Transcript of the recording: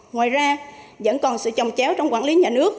ngoài ra vẫn còn sự trồng chéo trong quản lý nhà nước